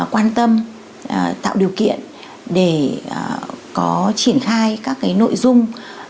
quan tâm tạo điều kiện để có triển khai các nội dung